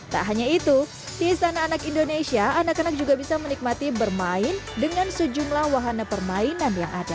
tak hanya itu di sana anak indonesia anak anak juga bisa menikmati bermain dengan sejumlah wahana permainan yang ada